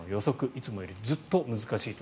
いつもよりずっと難しいと。